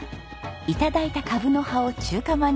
頂いたカブの葉を中華まんにします。